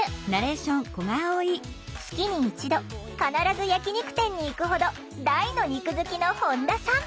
月に一度必ず焼き肉店に行くほど大の肉好きの本田さん！